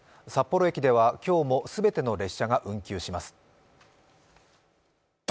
札幌駅では今日も全ての列車が運休します。